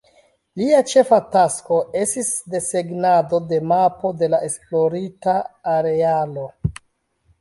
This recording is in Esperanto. Lia ĉefa tasko estis desegnado de mapo de la esplorita arealo.